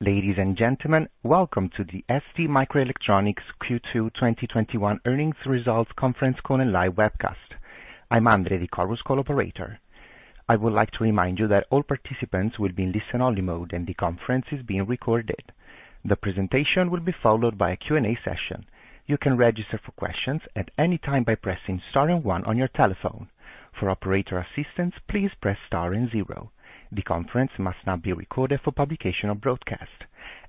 Ladies and gentlemen, welcome to the STMicroelectronics Q2 2021 earnings results conference call and live webcast. I'm Andre, the call's operator. I would like to remind you that all participants will be in listen only mode, and the conference is being recorded. The presentation will be followed by a Q&A session. You can register for questions at any time by pressing star 1 on your telephone. For operator assistance, please press star 0. The conference must not be recorded for publication or broadcast.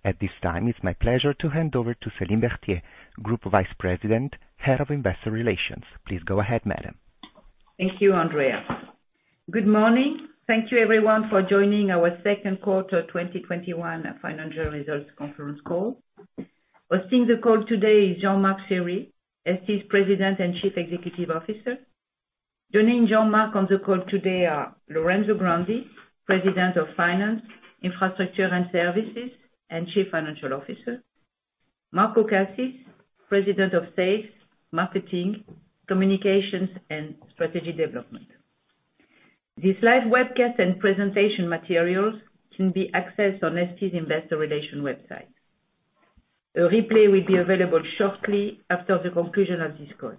At this time, it's my pleasure to hand over to Céline Berthier, Group Vice President, Head of Investor Relations. Please go ahead, madam. Thank you, Andrea. Good morning. Thank you everyone for joining our second quarter 2021 financial results conference call. Hosting the call today is Jean-Marc Chery, ST's President and Chief Executive Officer. Joining Jean-Marc on the call today are Lorenzo Grandi, President of Finance, Infrastructure, and Services and Chief Financial Officer, Marco Cassis, President of Sales, Marketing, Communications, and Strategy Development. This live webcast and presentation materials can be accessed on ST's Investor Relations website. A replay will be available shortly after the conclusion of this call.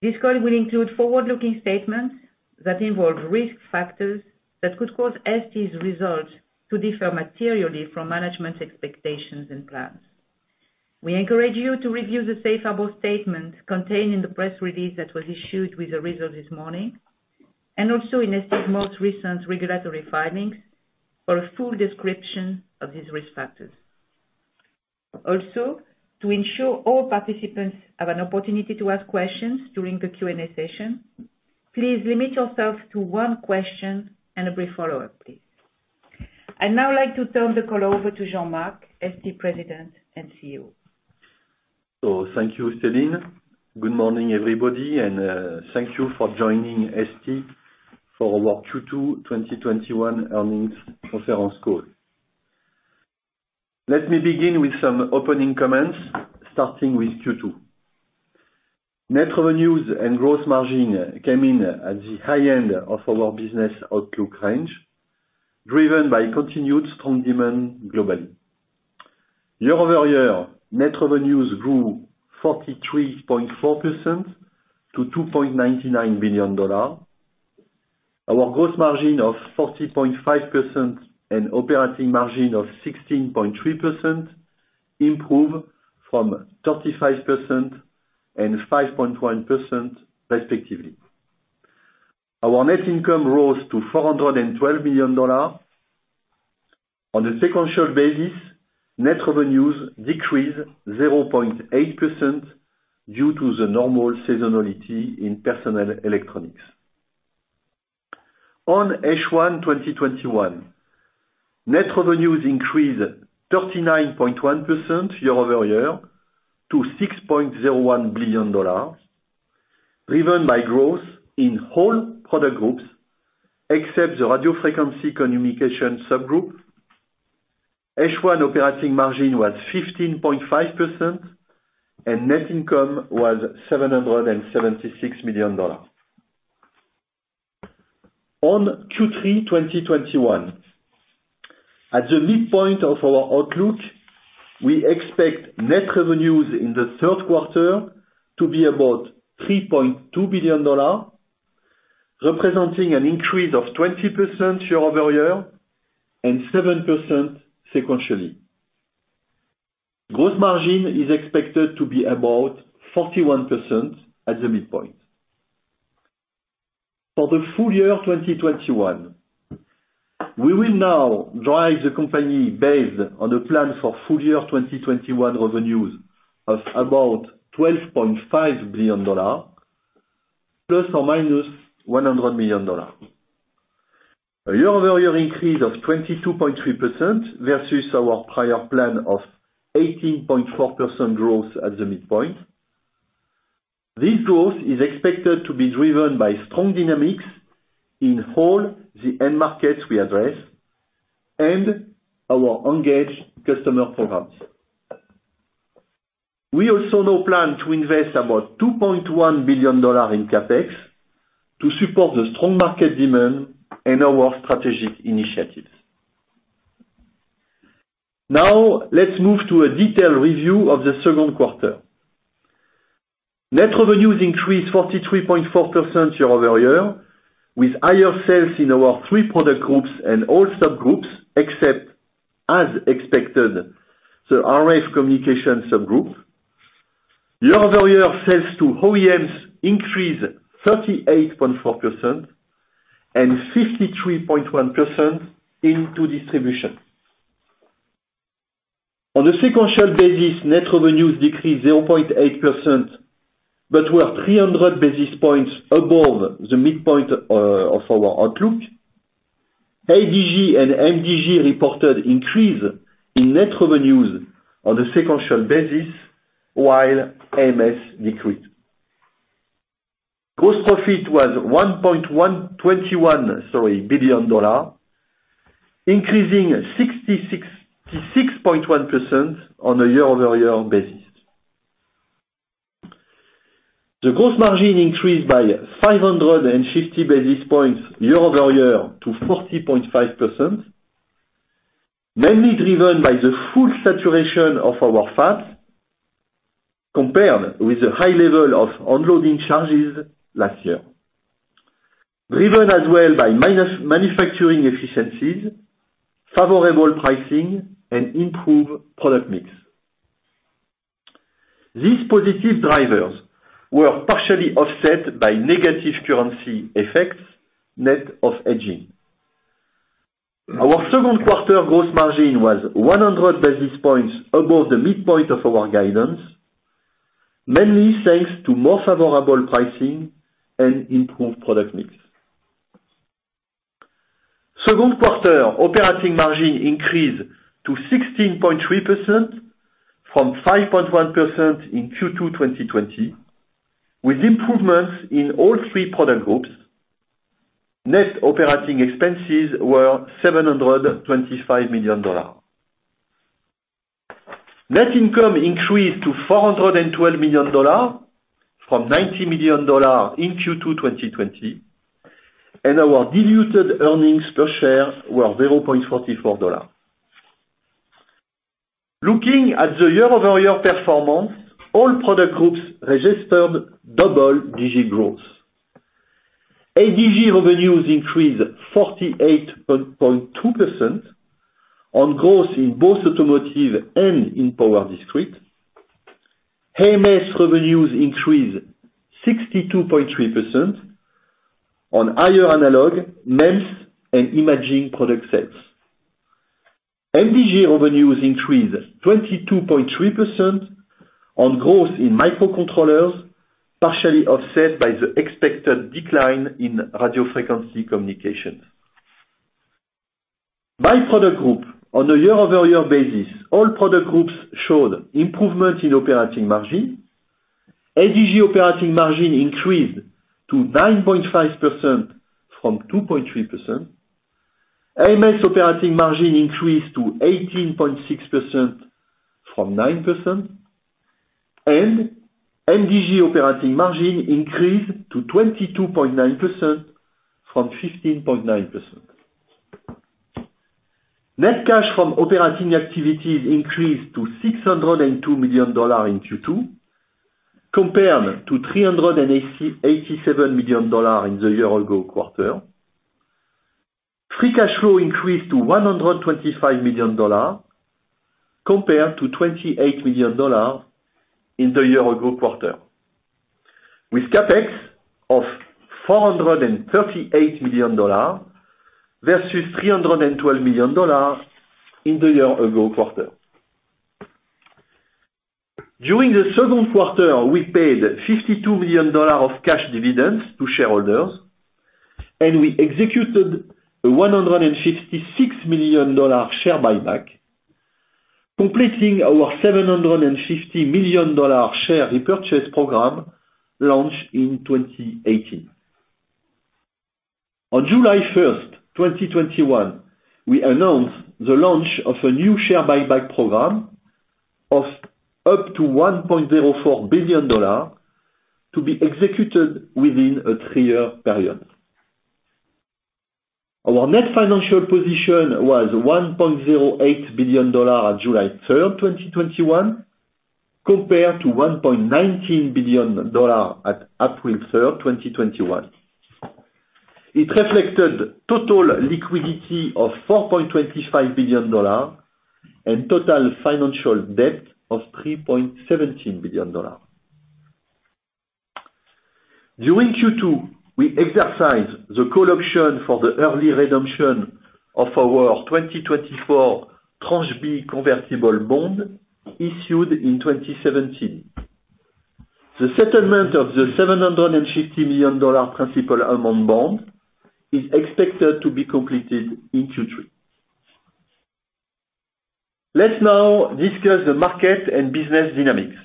This call will include forward-looking statements that involve risk factors that could cause ST's results to differ materially from management's expectations and plans. We encourage you to review the safe harbor statement contained in the press release that was issued with the results this morning, and also in ST's most recent regulatory filings for a full description of these risk factors. Also, to ensure all participants have an opportunity to ask questions during the Q&A session, please limit yourself to one question and a brief follow-up, please. I'd now like to turn the call over to Jean-Marc, ST President and CEO. Thank you, Céline. Good morning, everybody, and thank you for joining ST for our Q2 2021 earnings conference call. Let me begin with some opening comments, starting with Q2. Net revenues and gross margin came in at the high end of our business outlook range, driven by continued strong demand globally. Year-over-year, net revenues grew 43.4% to $2.99 billion. Our gross margin of 40.5% and operating margin of 16.3% improved from 35% and 5.1%, respectively. Our net income rose to $412 million. On a sequential basis, net revenues decreased 0.8% due to the normal seasonality in personal electronics. On H1 2021, net revenues increased 39.1% year-over-year to $6.01 billion, driven by growth in all product groups except the radio frequency communication subgroup. H1 operating margin was 15.5%, and net income was $776 million. On Q3 2021, at the midpoint of our outlook, we expect net revenues in the third quarter to be about $3.2 billion, representing an increase of 20% year-over-year and 7% sequentially. Gross margin is expected to be about 41% at the midpoint. For the full year 2021, we will now drive the company based on a plan for full year 2021 revenues of about $12.5 billion ±$100 million. A year-over-year increase of 22.3% versus our prior plan of 18.4% growth at the midpoint. This growth is expected to be driven by strong dynamics in all the end markets we address and our engaged customer programs. We also now plan to invest about $2.1 billion in CapEx to support the strong market demand and our strategic initiatives. Now, let's move to a detailed review of the second quarter. Net revenues increased 43.4% year-over-year with higher sales in our three product groups and all subgroups except, as expected, the RF communication subgroup. Year-over-year sales to OEMs increased 38.4% and 53.1% into distribution. On a sequential basis, net revenues decreased 0.8% but were 300 basis points above the midpoint of our outlook. ADG and MDG reported increase in net revenues on a sequential basis, while AMS decreased. Gross profit was $1.121 billion, increasing 66.1% on a year-over-year basis. The gross margin increased by 550 basis points year-over-year to 40.5%, mainly driven by the full saturation of our fabs, compared with the high level of unloading charges last year. Driven as well by manufacturing efficiencies, favorable pricing, and improved product mix. These positive drivers were partially offset by negative currency effects, net of hedging. Our second quarter gross margin was 100 basis points above the midpoint of our guidance, mainly thanks to more favorable pricing and improved product mix. Second quarter operating margin increased to 16.3% from 5.1% in Q2 2020, with improvements in all three product groups. Net operating expenses were $725 million. Net income increased to $412 million from $90 million in Q2 2020, and our diluted earnings per share were $0.44. Looking at the year-over-year performance, all product groups registered double-digit growth. ADG revenues increased 48.2% on growth in both automotive and in power discrete. AMS revenues increased 62.3% on higher analog, MEMS, and imaging product sales. MDG revenues increased 22.3% on growth in microcontrollers, partially offset by the expected decline in radio frequency communications. By product group, on a year-over-year basis, all product groups showed improvement in operating margin. ADG operating margin increased to 9.5% from 2.3%. AMS operating margin increased to 18.6% from 9%, and MDG operating margin increased to 22.9% from 15.9%. Net cash from operating activities increased to $602 million in Q2, compared to $387 million in the year-ago quarter. Free cash flow increased to $125 million compared to $28 million in the year-ago quarter, with CapEx of $438 million versus $312 million in the year-ago quarter. During the second quarter, we paid $52 million of cash dividends to shareholders, and we executed a $156 million share buyback, completing our $750 million share repurchase program launched in 2018. On July 1st, 2021, we announced the launch of a new share buyback program of up to $1.04 billion to be executed within a three-year period. Our net financial position was $1.08 billion on July 3rd, 2021, compared to $1.19 billion at April 3rd, 2021. It reflected total liquidity of $4.25 billion and total financial debt of $3.17 billion. During Q2, we exercised the call option for the early redemption of our 2024 Tranche B convertible bond issued in 2017. The settlement of the $750 million principal amount bond is expected to be completed in Q3. Let's now discuss the market and business dynamics.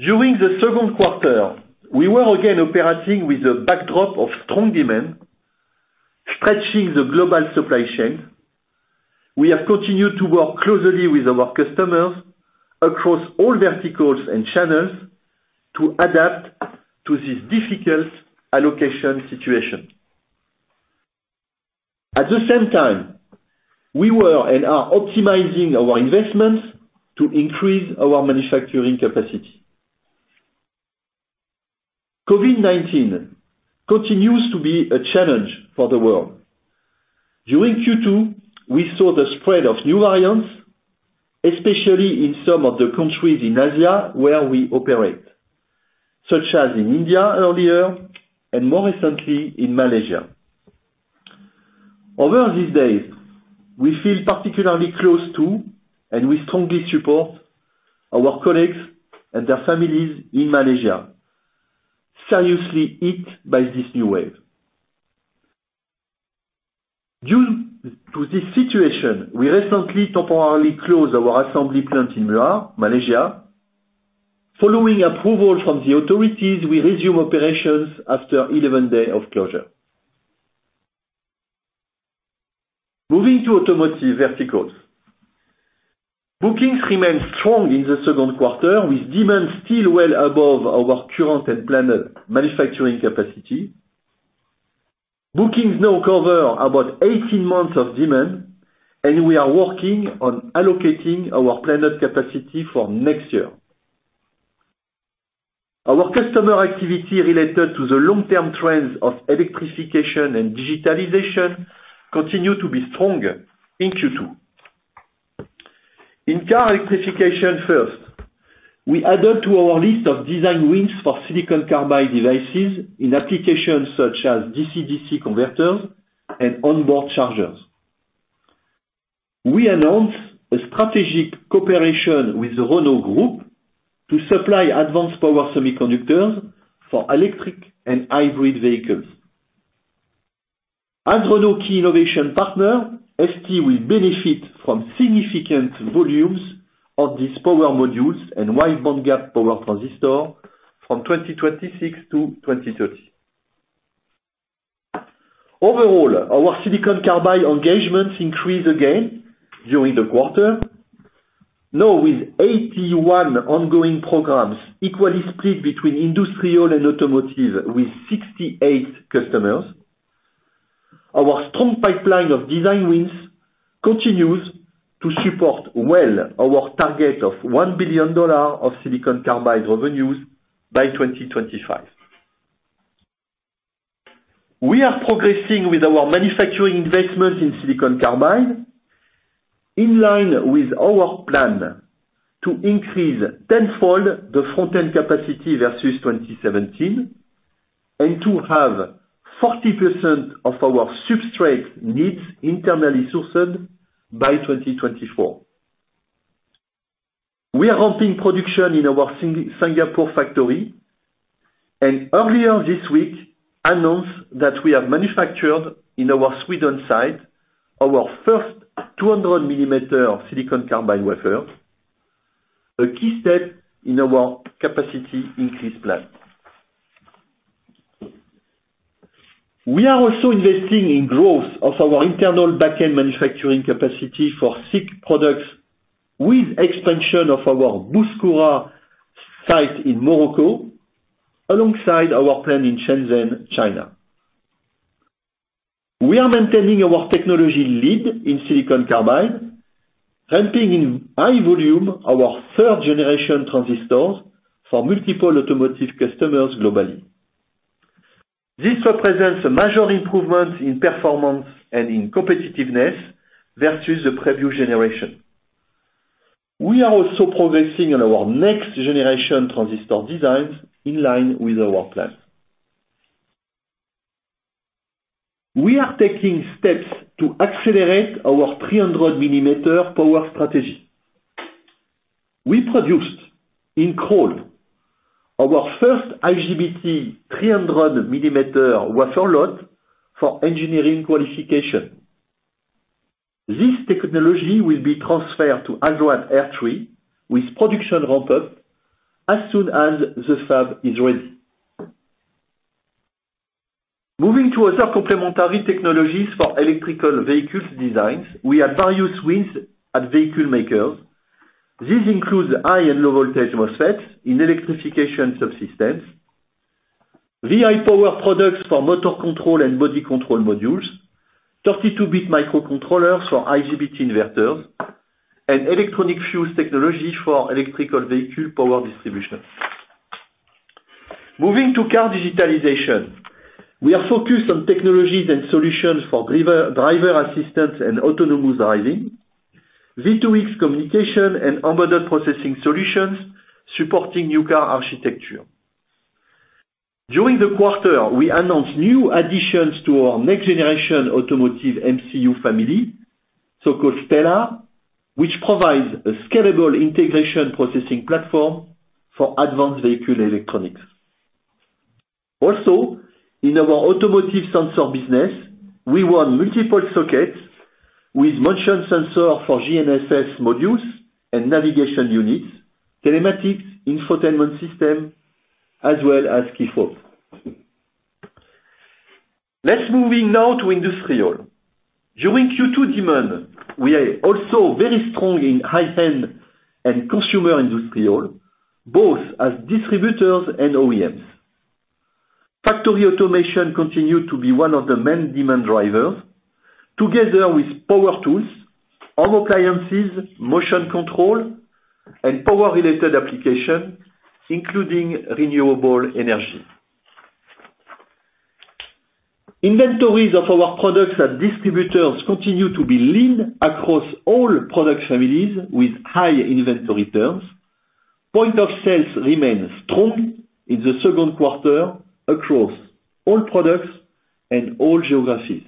During the second quarter, we were again operating with the backdrop of strong demand, stretching the global supply chain. We have continued to work closely with our customers across all verticals and channels to adapt to this difficult allocation situation. At the same time, we were and are optimizing our investments to increase our manufacturing capacity. COVID-19 continues to be a challenge for the world. During Q2, we saw the spread of new variants, especially in some of the countries in Asia where we operate, such as in India earlier and more recently in Malaysia. Over these days, we feel particularly close to and we strongly support our colleagues and their families in Malaysia, seriously hit by this new wave. Due to this situation, we recently temporarily closed our assembly plant in Muar, Malaysia. Following approval from the authorities, we resume operations after 11 day of closure. Moving to automotive verticals. Bookings remained strong in the second quarter, with demand still well above our current and planned manufacturing capacity. Bookings now cover about 18 months of demand, and we are working on allocating our planned capacity for next year. Our customer activity related to the long-term trends of electrification and digitalization continued to be strong in Q2. In car electrification first, we added to our list of design wins for silicon carbide devices in applications such as DC/DC converters and onboard chargers. We announced a strategic cooperation with the Renault Group to supply advanced power semiconductors for electric and hybrid vehicles. As Renault key innovation partner, ST will benefit from significant volumes of these power modules and wide bandgap power transistor from 2026 to 2030. Overall, our silicon carbide engagements increased again during the quarter. With 81 ongoing programs equally split between industrial and automotive, with 68 customers, our strong pipeline of design wins continues to support well our target of $1 billion of silicon carbide revenues by 2025. We are progressing with our manufacturing investments in silicon carbide, in line with our plan to increase tenfold the front-end capacity versus 2017 and to have 40% of our substrate needs internally sourced by 2024. We are ramping production in our Singapore factory and earlier this week announced that we have manufactured in our Sweden site our first 200 millimeter silicon carbide wafer, a key step in our capacity increase plan. We are also investing in growth of our internal back-end manufacturing capacity for SiC products with expansion of our Bouskoura site in Morocco alongside our plant in Shenzhen, China. We are maintaining our technology lead in silicon carbide, ramping in high volume our third generation transistors for multiple automotive customers globally. This represents a major improvement in performance and in competitiveness versus the previous generation. We are also progressing on our next generation transistor designs in line with our plan. We are taking steps to accelerate our 300 millimeter power strategy. We produced in Crolles our first IGBT 300 millimeter wafer lot for engineering qualification. This technology will be transferred to Aix-en-Provence R3 with production ramp-up as soon as the fab is ready. Moving to other complementary technologies for electrical vehicle designs, we have various wins at vehicle makers. These include high and low voltage MOSFETs in electrification subsystems, VIPower products for motor control and body control modules, 32-bit microcontrollers for IGBT inverters, and electronic fuse technology for electrical vehicle power distribution. Moving to car digitalization, we are focused on technologies and solutions for driver assistance and autonomous driving, V2X communication and embedded processing solutions supporting new car architecture. During the quarter, we announced new additions to our next generation automotive MCU family, so-called Stellar, which provides a scalable integration processing platform for advanced vehicle electronics. Also, in our automotive sensor business, we won multiple sockets with motion sensor for GNSS modules and navigation units, telematics infotainment system, as well as key fob. Let's moving now to industrial. During Q2 demand, we are also very strong in high-end and consumer industrial, both as distributors and OEMs. Factory automation continued to be one of the main demand drivers, together with power tools, home appliances, motion control, and power-related application, including renewable energy. Inventories of our products at distributors continue to be lean across all product families with high inventory turns. Point of sales remained strong in the second quarter across all products and all geographies.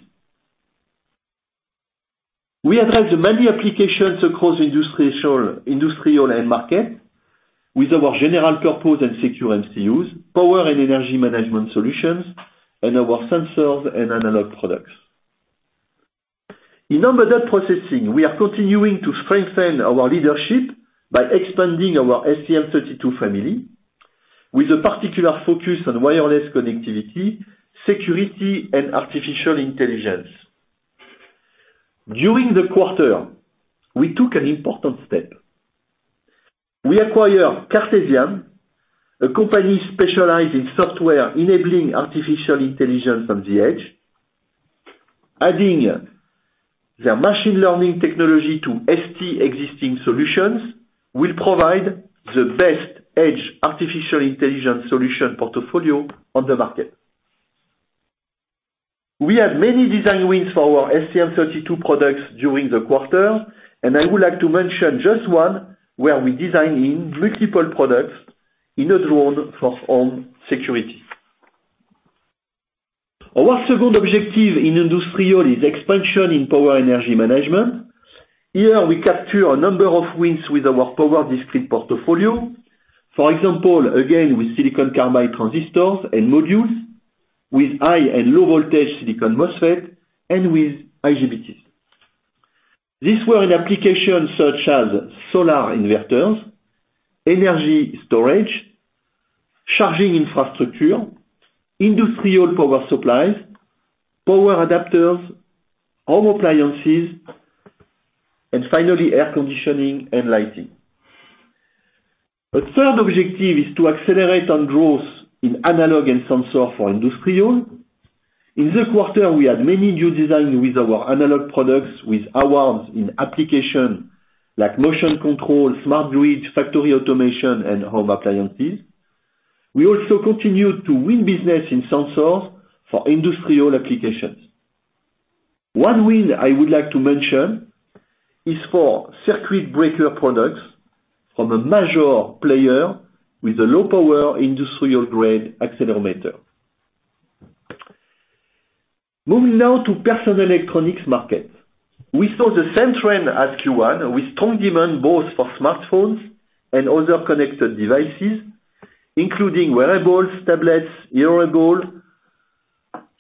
We address many applications across industrial end market with our general-purpose and secure MCUs, power and energy management solutions, and our sensors and analog products. In embedded processing, we are continuing to strengthen our leadership by expanding our STM32 family. With a particular focus on wireless connectivity, security, and artificial intelligence. During the quarter, we took an important step. We acquired Cartesiam, a company specialized in software enabling artificial intelligence on the edge. Adding their machine learning technology to ST existing solutions will provide the best edge artificial intelligence solution portfolio on the market. We have many design wins for our STM32 products during the quarter. I would like to mention just one where we design in multiple products in a drone for home security. Our second objective in industrial is expansion in power energy management. Here we capture a number of wins with our power discrete portfolio. For example, again, with silicon carbide transistors and modules, with high and low voltage silicon MOSFET and with IGBTs. These were in applications such as solar inverters, energy storage, charging infrastructure, industrial power supplies, power adapters, home appliances, and finally, air conditioning and lighting. The third objective is to accelerate on growth in analog and sensor for industrial. In the quarter, we had many new design with our analog products with awards in application like motion control, smart grid, factory automation, and home appliances. We also continued to win business in sensors for industrial applications. One win I would like to mention is for circuit breaker products from a major player with a low power industrial-grade accelerometer. Moving now to personal electronics market. We saw the same trend as Q1 with strong demand both for smartphones and other connected devices, including wearables, tablets, hearables,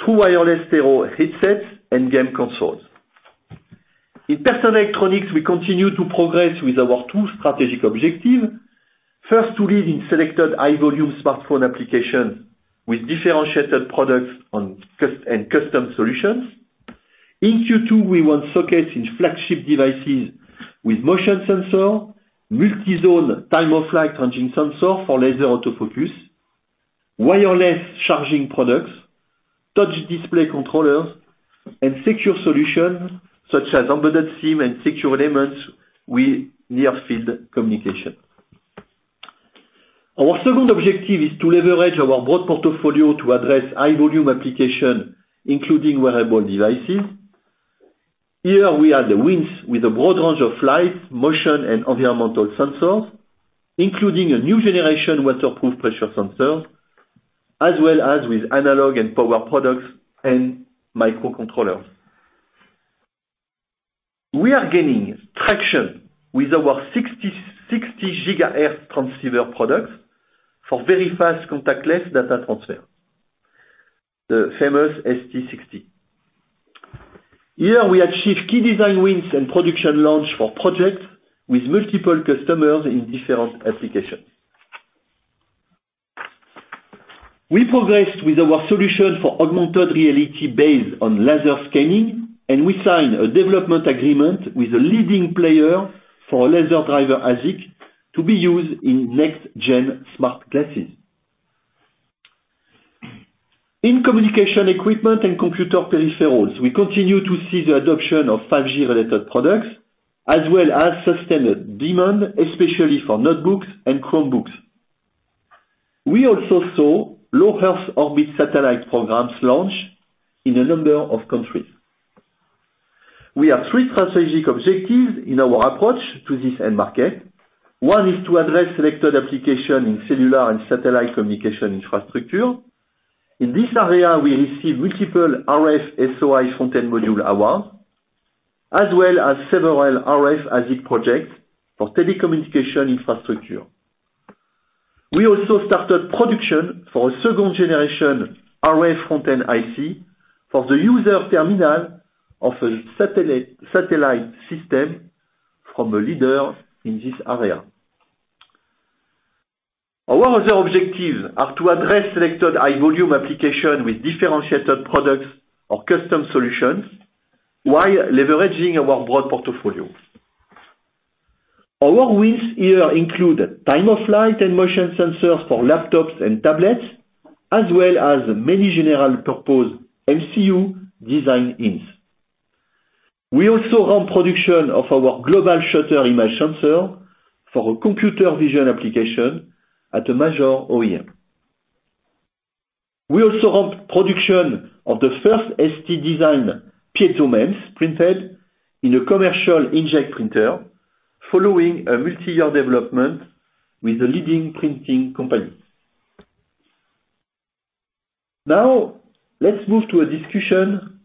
true wireless stereo headsets, and game consoles. In personal electronics, we continue to progress with our 2 strategic objective. First, to lead in selected high volume smartphone application with differentiated products and custom solutions. In Q2, we won sockets in flagship devices with motion sensor, multi-zone time-of-flight ranging sensor for laser autofocus, wireless charging products, touch display controllers, and secure solutions such as embedded SIM and secure elements with near-field communication. Our second objective is to leverage our broad portfolio to address high volume application, including wearable devices. Here we have the wins with a broad range of flight, motion, and environmental sensors, including a new generation waterproof pressure sensor, as well as with analog and power products and microcontrollers. We are gaining traction with our 60 GHz transceiver products for very fast contactless data transfer. The famous ST60. Here we achieve key design wins and production launch for projects with multiple customers in different applications. We progressed with our solution for augmented reality based on laser scanning, and we signed a development agreement with a leading player for laser driver ASIC to be used in next-gen smart glasses. In communication equipment and computer peripherals, we continue to see the adoption of 5G related products as well as sustained demand, especially for notebooks and Chromebooks. We also saw low earth orbit satellite programs launch in a number of countries. We have three strategic objectives in our approach to this end market. One is to address selected application in cellular and satellite communication infrastructure. In this area, we receive multiple RF SOI front-end module award, as well as several RF ASIC projects for telecommunication infrastructure. We also started production for a second-generation RF front-end IC for the user terminal of a satellite system from a leader in this area. Our other objectives are to address selected high volume application with differentiated products or custom solutions while leveraging our broad portfolio. Our wins here include time-of-flight and motion sensors for laptops and tablets, as well as many general purpose MCU design-ins. We also ramp production of our global shutter image sensor for a computer vision application at a major OEM. We also ramp production of the first ST design, PiezoMEMS printed in a commercial inkjet printer following a multi-year development with a leading printing company. Let's move to a discussion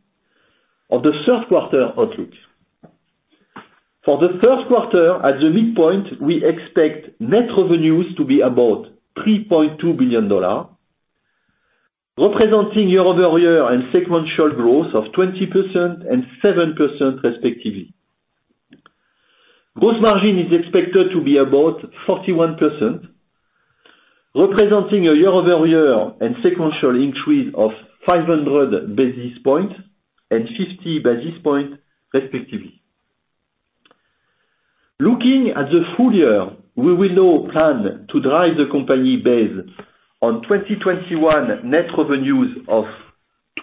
of the third quarter outlook. For the third quarter, at the midpoint, we expect net revenues to be about $3.2 billion, representing year-over-year and sequential growth of 20% and 7% respectively. Gross margin is expected to be about 41%, representing a year-over-year and sequential increase of 500 basis points and 50 basis points respectively. Looking at the full year, we will now plan to drive the company based on 2021 net revenues of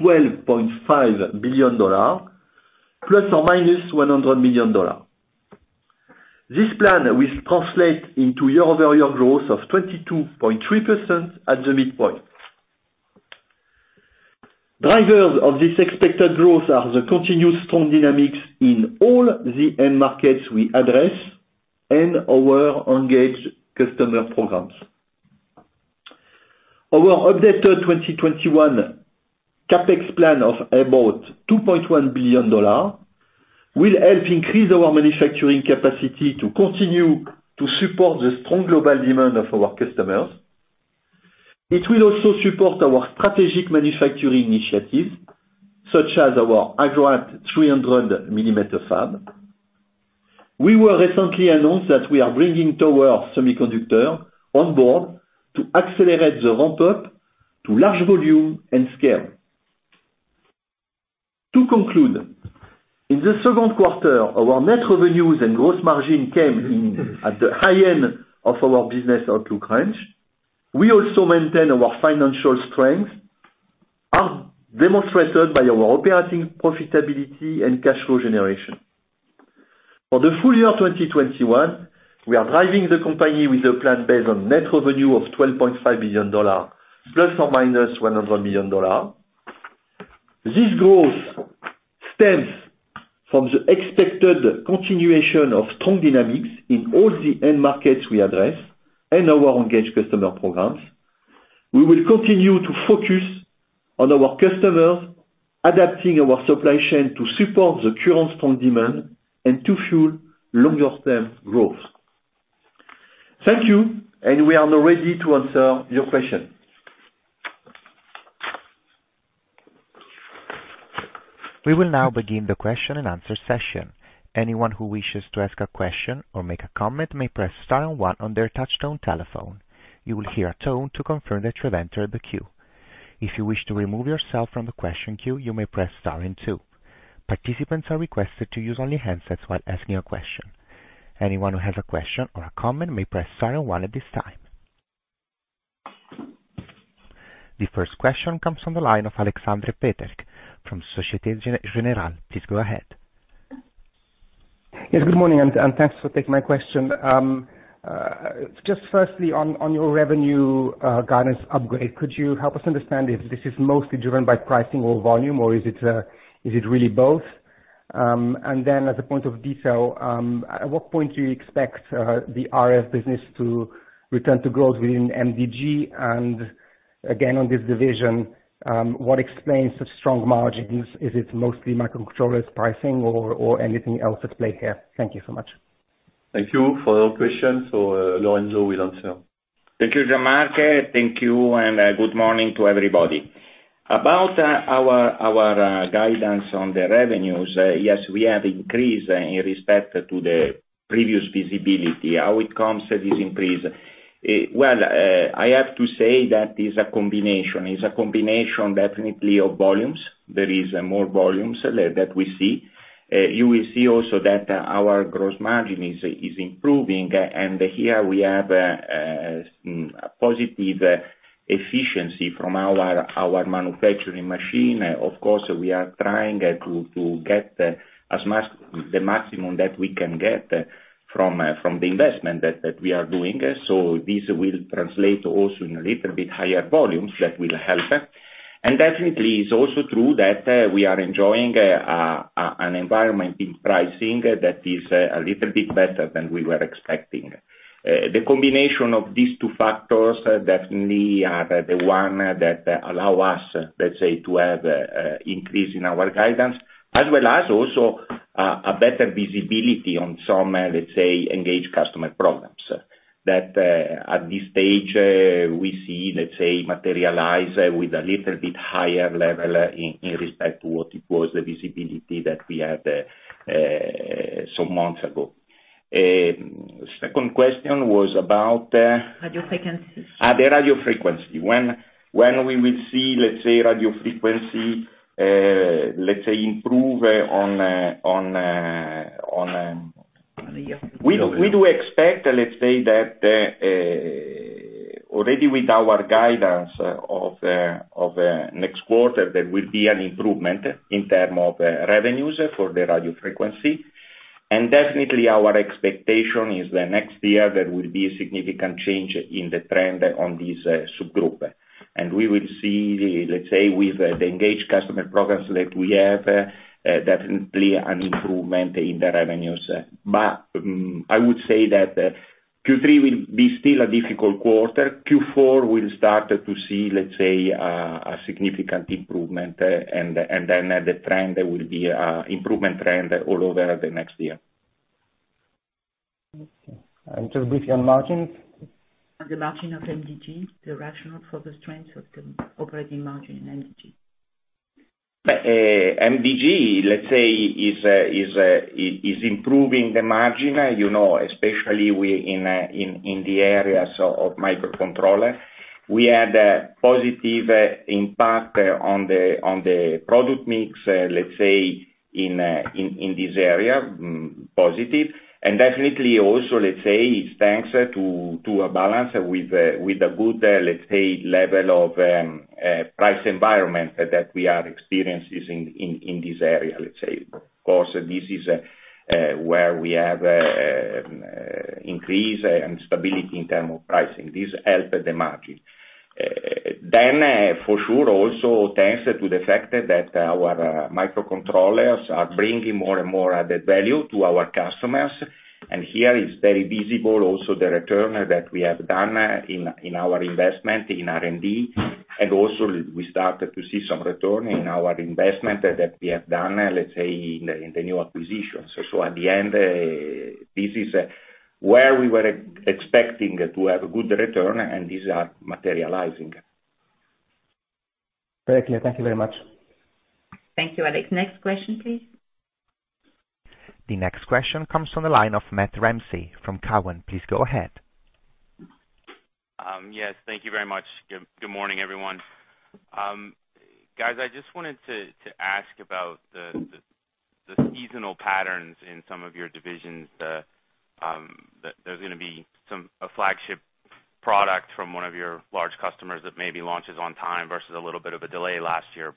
$12.5 billion, plus or minus $100 million. This plan will translate into year-over-year growth of 22.3% at the midpoint. Drivers of this expected growth are the continued strong dynamics in all the end markets we address and our engaged customer programs. Our updated 2021 CapEx plan of about $2.1 billion will help increase our manufacturing capacity to continue to support the strong global demand of our customers. It will also support our strategic manufacturing initiatives, such as our Agrate 300 millimeter FAB. We were recently announced that we are bringing Tower Semiconductor on board to accelerate the ramp-up to large volume and scale. To conclude, in the second quarter, our net revenues and gross margin came in at the high end of our business outlook range. We also maintain our financial strength, are demonstrated by our operating profitability and cash flow generation. For the full year 2021, we are driving the company with a plan based on net revenue of $12.5 billion, ±$100 million. This growth stems from the expected continuation of strong dynamics in all the end markets we address and our engaged customer programs. We will continue to focus on our customers, adapting our supply chain to support the current strong demand and to fuel longer-term growth. Thank you, and we are now ready to answer your question. We will now begin the question and answer session. Anyone who wishes to ask a question or make a comment may press star and one on their touch-tone telephone. You will hear a tone to confirm that you have entered the queue. If you wish to remove yourself from the question queue, you may press star and two. Participants are requested to use only handsets while asking a question. Anyone who has a question or a comment may press star and one at this time. The first question comes from the line of Aleksander Peterc from Societe Generale. Please go ahead. Yes, good morning, thanks for taking my question. Firstly, on your revenue guidance upgrade, could you help us understand if this is mostly driven by pricing or volume, or is it really both? As a point of detail, at what point do you expect the RF business to return to growth within MDG? Again, on this division, what explains the strong margins? Is it mostly microcontrollers pricing or anything else at play here? Thank you so much. Thank you for your question. Lorenzo will answer. Thank you, Jean-Marc. Thank you, and good morning to everybody. About our guidance on the revenues, yes, we have increased in respect to the previous visibility. How it comes, this increase? Well, I have to say that it's a combination. It's a combination definitely of volumes. There is more volumes that we see. You will see also that our gross margin is improving, and here we have a positive efficiency from our manufacturing machine. Of course, we are trying to get the maximum that we can get from the investment that we are doing. This will translate also in a little bit higher volumes that will help. Definitely, it's also true that we are enjoying an environment in pricing that is a little bit better than we were expecting. The combination of these two factors definitely are the one that allow us, let's say, to have increase in our guidance, as well as also a better visibility on some, let's say, engaged customer problems. That at this stage we see, let's say, materialize with a little bit higher level in respect to what it was the visibility that we had some months ago. Second question was about. Radio frequencies. the radio frequency. When we will see, let's say, radio frequency, let's say, improve. On a year We do expect, let's say that, already with our guidance of next quarter, there will be an improvement in terms of revenues for the radio frequency. Definitely our expectation is that next year there will be a significant change in the trend on this subgroup. We will see, let's say, with the engaged customer programs that we have, definitely an improvement in the revenues. I would say that Q3 will be still a difficult quarter. Q4 will start to see, let's say, a significant improvement, and then the trend will be improvement trend all over the next year. Okay. Just briefly on margins? On the margin of MDG, the rationale for the strength of the operating margin in MDG. MDG, let's say, is improving the margin, especially in the areas of microcontroller. We had a positive impact on the product mix, let's say, in this area, positive. Definitely also, let's say, it's thanks to a balance with a good level of price environment that we are experiencing in this area. Of course, this is where we have increase and stability in term of pricing. This help the margin. For sure also, thanks to the fact that our microcontrollers are bringing more and more added value to our customers. Here it's very visible also the return that we have done in our investment in R&D. Also we started to see some return in our investment that we have done, let's say, in the new acquisitions. At the end, this is where we were expecting to have good return, and these are materializing. Very clear. Thank you very much. Thank you, Alex. Next question, please. The next question comes from the line of Matthew Ramsay from Cowen. Please go ahead. Yes, thank you very much. Good morning, everyone. Guys, I just wanted to ask about the seasonal patterns in some of your divisions. There's going to be a flagship product from one of your large customers that maybe launches on time versus a little bit of a delay last year.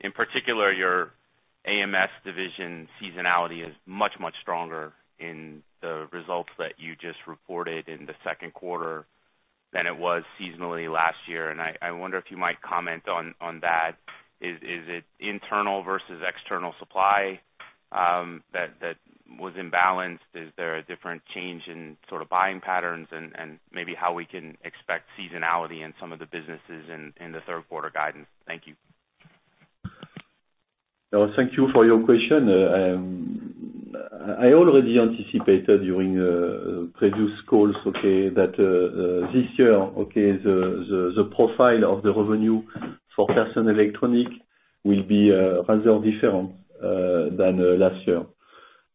In particular, your AMS division seasonality is much, much stronger in the results that you just reported in the second quarter than it was seasonally last year. I wonder if you might comment on that. Is it internal versus external supply that was imbalanced? Is there a different change in sort of buying patterns and maybe how we can expect seasonality in some of the businesses in the third quarter guidance? Thank you. Thank you for your question. I already anticipated during previous calls, okay, that this year, the profile of the revenue for personal electronic will be rather different than last year.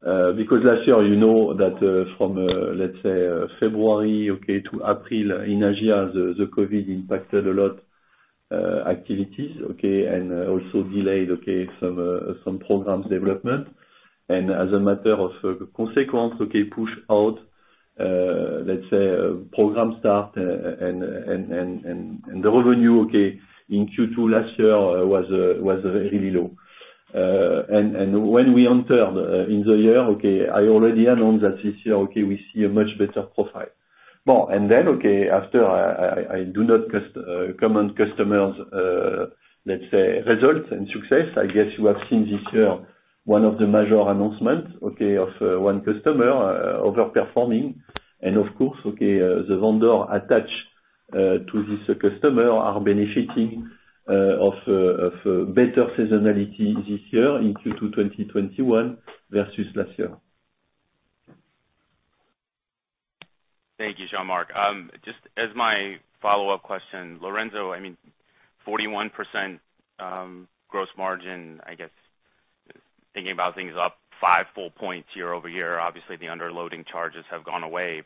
Last year, you know that from, let's say, February to April in Asia, the COVID-19 impacted a lot activities, okay, and also delayed some programs development. As a matter of consequence, push out, let's say, program start and the revenue, okay, in Q2 2021 was really low. When we entered in the year, I already announced that this year, we see a much better profile. Then, okay, after I do not comment customers, let's say results and success. I guess you have seen this year one of the major announcements of one customer over-performing. Of course, okay, the vendor attached to this customer are benefiting of better seasonality this year in Q2 2021 versus last year. Thank you, Jean-Marc. Just as my follow-up question, Lorenzo, I mean, 41% gross margin, I guess, thinking about things up five full points year-over-year. Obviously, the underloading charges have gone away.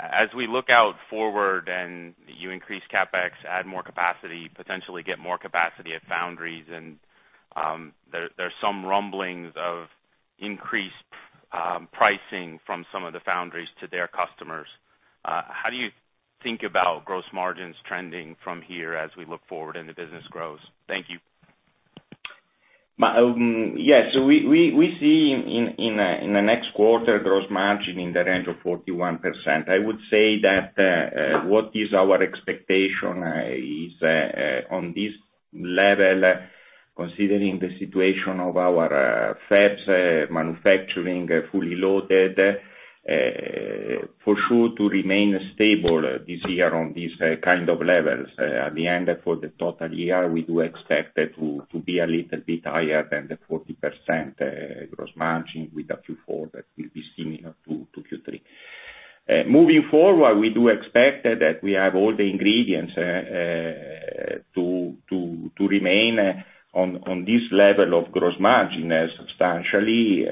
As we look out forward and you increase CapEx, add more capacity, potentially get more capacity at foundries, and there's some rumblings of increased pricing from some of the foundries to their customers. How do you think about gross margins trending from here as we look forward and the business grows? Thank you. Yes. We see in the next quarter gross margin in the range of 41%. I would say that what is our expectation is on this level, considering the situation of our fabs, manufacturing fully loaded, for sure to remain stable this year on this kind of levels. At the end, for the total year, we do expect it to be a little bit higher than the 40% gross margin with a Q4 that will be similar to Q3. Moving forward, we do expect that we have all the ingredients to remain on this level of gross margin substantially.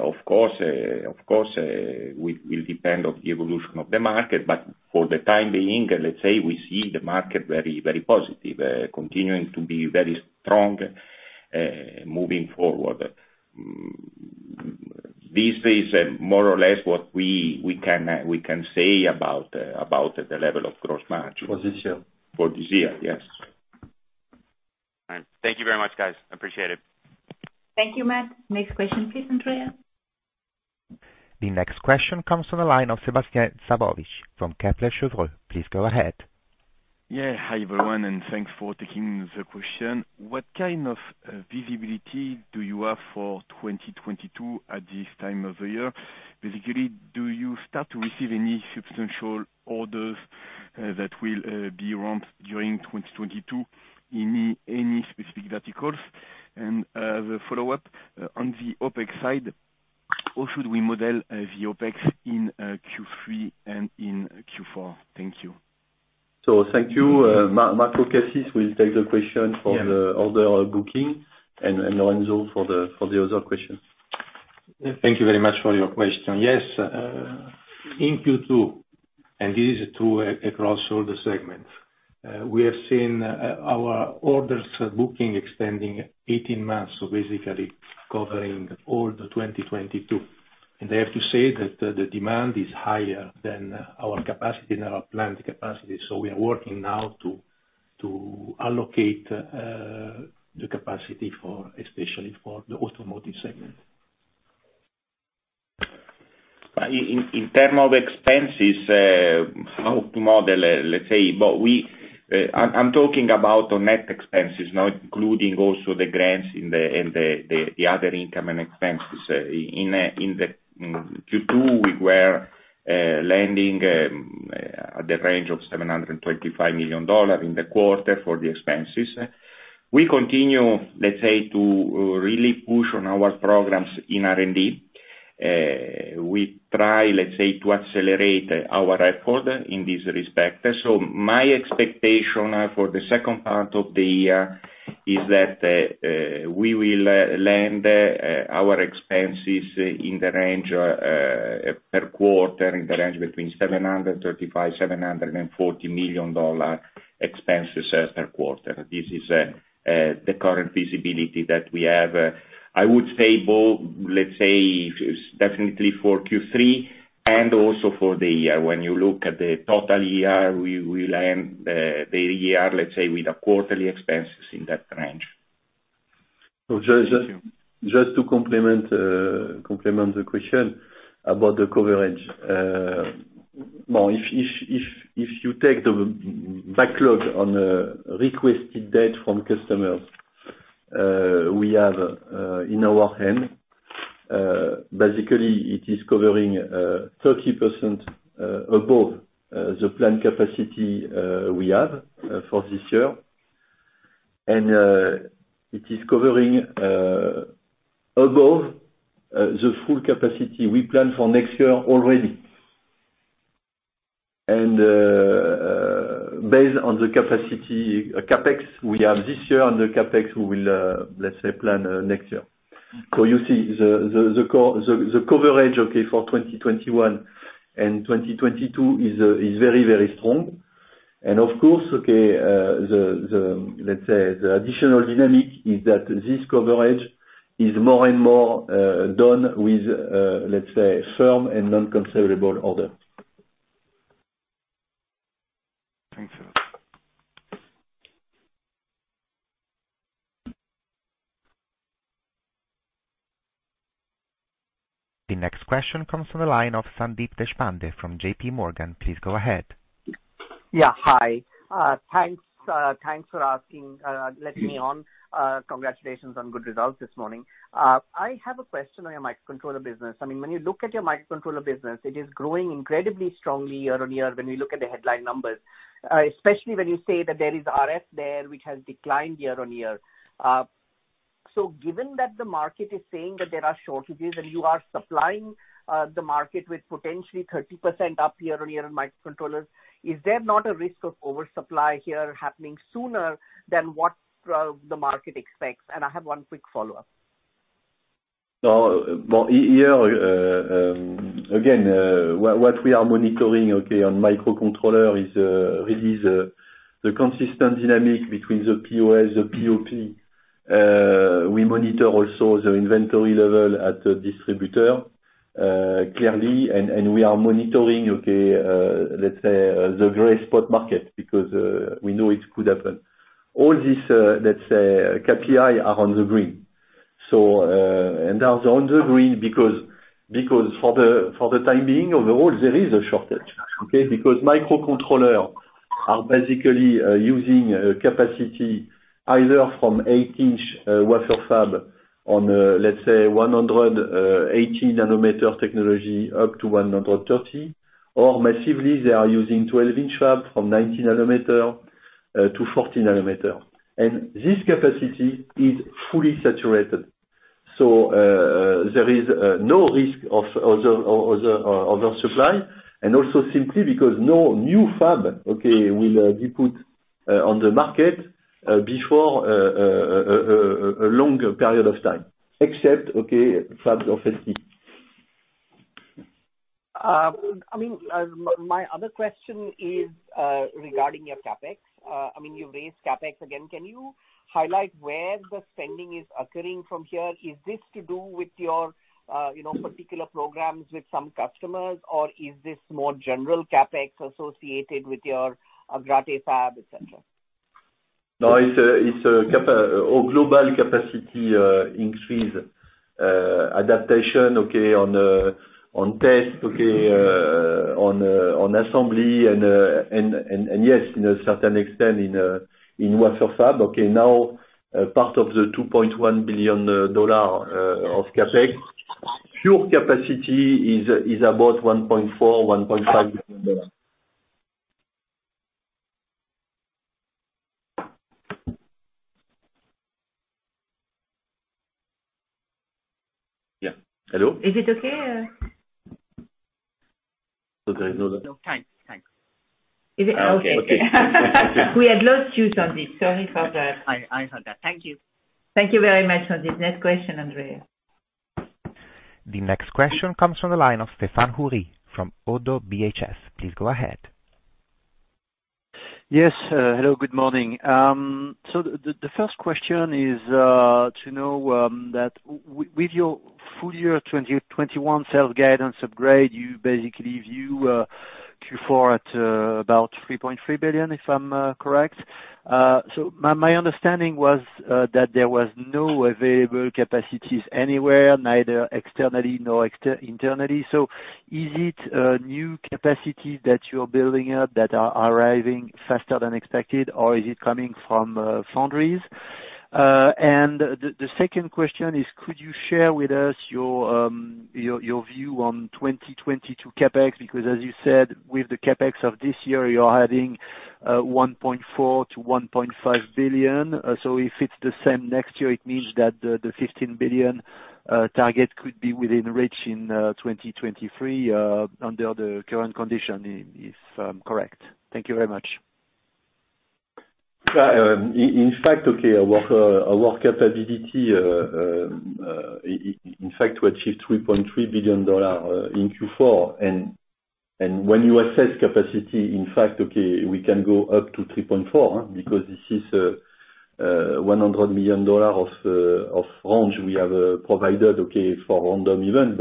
Of course, will depend on the evolution of the market. For the time being, let's say, we see the market very, very positive, continuing to be very strong, moving forward. This is more or less what we can say about the level of gross margin. For this year. For this year, yes. All right. Thank you very much, guys. Appreciate it. Thank you, Matt. Next question, please. Andrea? The next question comes from the line of Sebastien Sztabowicz from Kepler Cheuvreux. Please go ahead. Yeah. Hi, everyone, thanks for taking the question. What kind of visibility do you have for 2022 at this time of the year? Basically, do you start to receive any substantial orders that will be around during 2022 in any specific verticals? The follow-up, on the OpEx side, how should we model the OpEx in Q3 and in Q4? Thank you. Thank you. Marco Cassis will take the question for the order booking and Lorenzo for the other questions. Thank you very much for your question. Yes. In Q2, this is true across all the segments, we have seen our orders booking extending 18 months, basically covering all the 2022. I have to say that the demand is higher than our capacity and our planned capacity. We are working now to allocate the capacity, especially for the automotive segment. In term of expenses, how to model, let's say, I'm talking about net expenses, now including also the grants and the other income and expenses. In Q2, we were landing at the range of $725 million in the quarter for the expenses. We continue, let's say, to really push on our programs in R&D. We try, let's say, to accelerate our effort in this respect. My expectation for the second part of the year is that we will land our expenses per quarter in the range between $735 million-$740 million expenses per quarter. This is the current visibility that we have. I would say, let's say definitely for Q3 and also for the year. When you look at the total year, we land the year, let's say, with a quarterly expenses in that range. Just to complement the question about the coverage. If you take the backlog on requested date from customers we have in our hand, basically it is covering 30% above the planned capacity we have for this year. It is covering above the full capacity we plan for next year already. Based on the capacity CapEx we have this year and the CapEx we will, let's say, plan next year. You see, the coverage, okay, for 2021 and 2022 is very strong. Of course, let's say the additional dynamic is that this coverage is more and more done with, let's say, firm and non-cancelable order. Thanks a lot. The next question comes from the line of Sandeep Deshpande from JPMorgan. Please go ahead. Yeah. Hi. Thanks for asking, letting me on. Congratulations on good results this morning. I have a question on your microcontroller business. When you look at your microcontroller business, it is growing incredibly strongly year-on-year when we look at the headline numbers, especially when you say that there is RF there, which has declined year-on-year. Given that the market is saying that there are shortages and you are supplying the market with potentially 30% up year-on-year in microcontrollers, is there not a risk of oversupply here happening sooner than what the market expects? I have one quick follow-up. Again, what we are monitoring on microcontroller is really the consistent dynamic between the POS, the POP. We monitor also the inventory level at the distributor, clearly. We are monitoring the gray spot market, because we know it could happen. All these KPI are on the green. Are on the green because for the time being, overall, there is a shortage. Because microcontrollers are basically using capacity either from 8-inch wafer fab on 180 nanometer technology up to 130, or massively, they are using 12-inch fab from 90 nanometer to 40 nanometer. This capacity is fully saturated. There is no risk of oversupply, and also simply because no new fab will be put on the market before a longer period of time, except fabs of ST. My other question is regarding your CapEx. You've raised CapEx again. Can you highlight where the spending is occurring from here? Is this to do with your particular programs with some customers, or is this more general CapEx associated with your Agrate fab, et cetera? No, it's a global capacity increase adaptation, okay, on test, okay, on assembly and yes, in a certain extent in wafer fab. Okay, now part of the $2.1 billion of CapEx, pure capacity is about $1.4 billion-$1.5 billion. Yeah. Hello? Is it okay? There is no other- No, thanks. Is it okay? Okay. We had lost you, Sandeep. Sorry for that. I heard that. Thank you. Thank you very much, Sandeep. Next question, Andrea. The next question comes from the line of Stéphane Houri from Oddo BHF. Please go ahead. Yes. Hello, good morning. The first question is, to know that with your full year 2021 sales guidance upgrade, you basically view Q4 at about $3.3 billion, if I'm correct. My understanding was that there was no available capacities anywhere, neither externally nor internally. Is it a new capacity that you're building up that are arriving faster than expected, or is it coming from foundries? The second question is, could you share with us your view on 2022 CapEx? Because as you said, with the CapEx of this year, you're adding $1.4 billion-$1.5 billion. If it's the same next year, it means that the $15 billion target could be within reach in 2023 under the current condition, if I'm correct. Thank you very much. In fact, we achieved $3.3 billion in Q4. When you assess capacity, in fact, we can go up to $3.4 billion because this is $100 million of range we have provided for random event.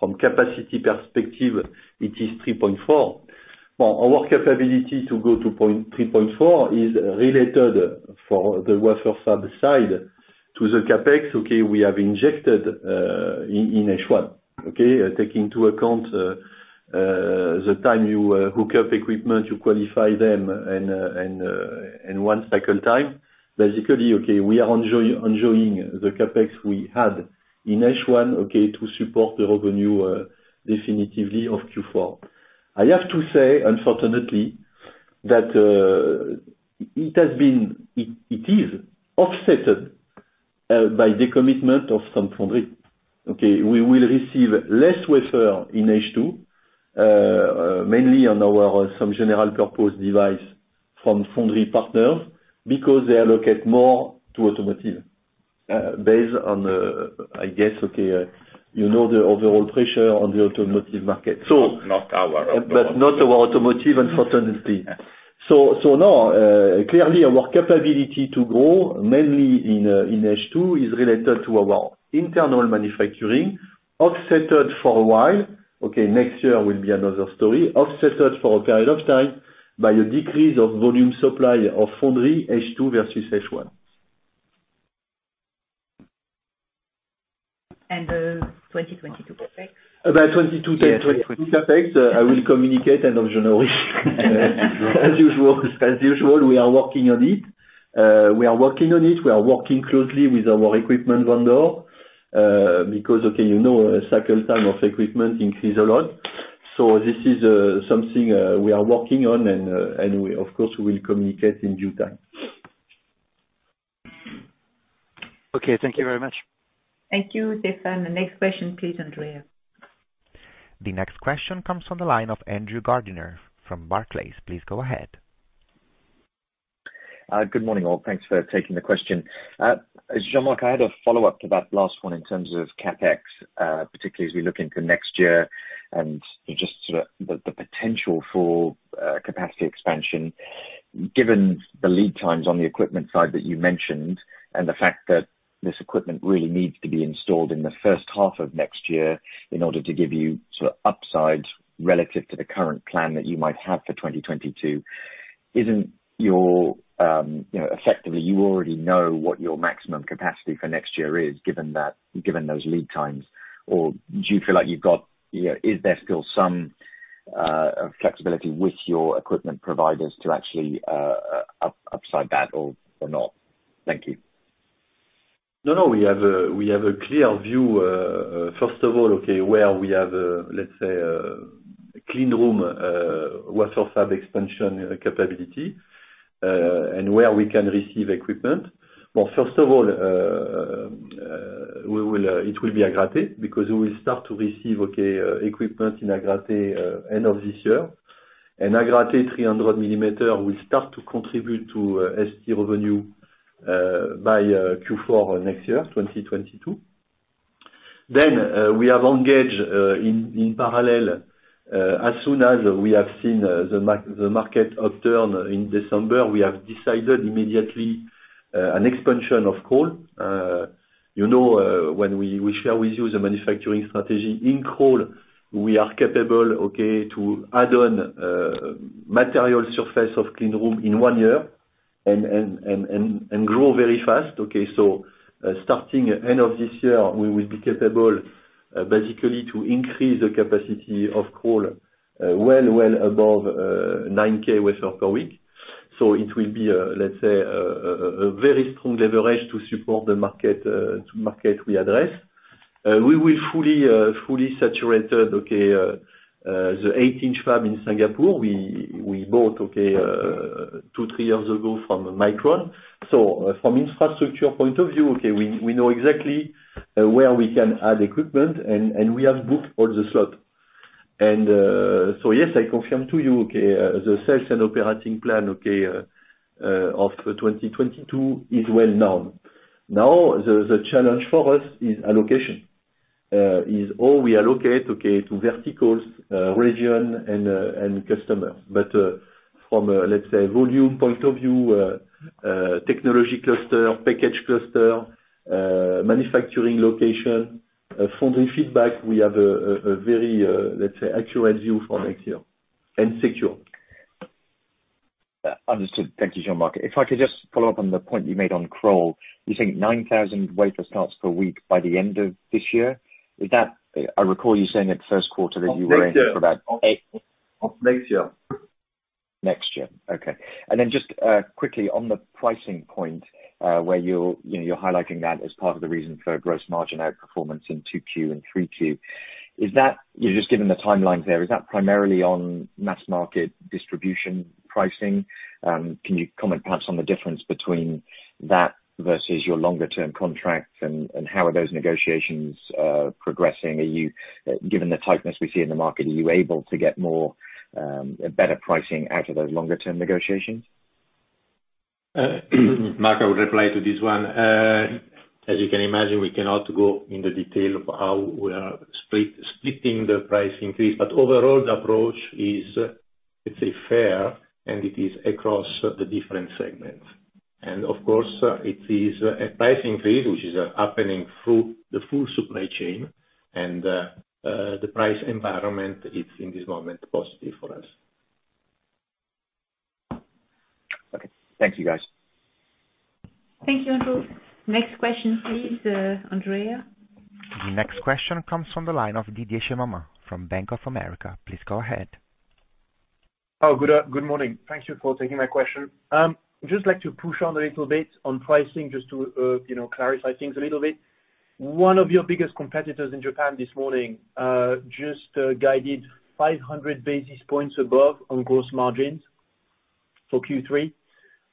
From capacity perspective, it is $3.4 billion. Our capability to go to $3.4 billion is related for the wafer fab side to the CapEx we have injected in H1. Taking into account the time you hook up equipment, you qualify them, and one cycle time. We are enjoying the CapEx we had in H1 to support the revenue definitively of Q4. I have to say, unfortunately, that it is offset by decommitment of some foundry. We will receive less wafer in H2, mainly on our some general purpose device from foundry partners because they allocate more to automotive. Based on the, I guess, okay, you know the overall pressure on the automotive market. Not our automotive. Not our automotive, unfortunately. Now, clearly our capability to grow, mainly in H2, is related to our internal manufacturing, offset for a period of time by a decrease of volume supply of foundry H2 versus H1. Next year will be another story. The 2022 CapEx? About 2022 CapEx, I will communicate end of January. As usual, we are working on it. We are working closely with our equipment vendor, because you know, cycle time of equipment increases a lot. This is something we are working on, and we, of course, will communicate in due time. Okay. Thank you very much. Thank you, Stephane. The next question, please, Andrea. The next question comes from the line of Andrew Gardiner from Barclays. Please go ahead. Good morning, all. Thanks for taking the question. Jean-Marc, I had a follow-up to that last one in terms of CapEx, particularly as we look into next year and just sort of the potential for capacity expansion. Given the lead times on the equipment side that you mentioned and the fact that this equipment really needs to be installed in the first half of next year in order to give you sort of upside relative to the current plan that you might have for 2022, isn't effectively, you already know what your maximum capacity for next year is, given those lead times? Is there still some flexibility with your equipment providers to actually upside that or not? Thank you. No, we have a clear view. First of all, where we have, let's say, clean room, wafer fab expansion capability, and where we can receive equipment. Well, first of all, it will be at Agrate because we will start to receive equipment in Agrate end of this year. At Agrate, 300 millimeter will start to contribute to ST revenue by Q4 2022. We have engaged in parallel. As soon as we have seen the market upturn in December, we have decided immediately an expansion of Crolles. When we share with you the manufacturing strategy in Crolles, we are capable to add on material surface of clean room in 1 year and grow very fast. Starting end of this year, we will be capable, basically, to increase the capacity of Crolles well above 9,000 wafer per week. It will be, let's say, a very strong leverage to support the market we address. We will fully saturated, okay, the 8-inch fab in Singapore. We bought, okay, 2, 3 years ago from Micron. From infrastructure point of view, okay, we know exactly where we can add equipment, and we have booked all the slot. Yes, I confirm to you, the sales and operating plan of 2022 is well known. The challenge for us is allocation, how we allocate to verticals, region, and customer. From a volume point of view, technology cluster, package cluster, manufacturing location, from the feedback, we have a very accurate view for next year, and secure. Understood. Thank you, Jean-Marc. If I could just follow up on the point you made on Crolles. You're saying 9,000 wafer starts per week by the end of this year? I recall you saying at the first quarter that you were aiming for that. Of next year. Next year. Okay. Just, quickly, on the pricing point, where you're highlighting that as part of the reason for gross margin outperformance in Q2 and Q3. Just given the timelines there, is that primarily on mass market distribution pricing? Can you comment perhaps on the difference between that versus your longer-term contracts, and how are those negotiations progressing? Given the tightness we see in the market, are you able to get more, better pricing out of those longer-term negotiations? Marc, I will reply to this one. As you can imagine, we cannot go in the detail of how we are splitting the price increase. Overall, the approach is, let's say, fair, and it is across the different segments. Of course, it is a price increase which is happening through the full supply chain, and the price environment is, in this moment, positive for us. Okay. Thank you, guys. Thank you, Andrew. Next question, please, Andrea. The next question comes from the line of Didier Scemama from Bank of America. Please go ahead. Oh, good morning. Thank you for taking my question. Just like to push on a little bit on pricing, just to clarify things a little bit. One of your biggest competitors in Japan this morning, just, guided 500 basis points above on gross margins for Q3.